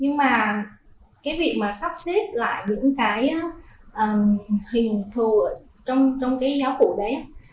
nhưng mà cái việc mà sắp xếp lại những cái hình thù trong cái giáo cụ đấy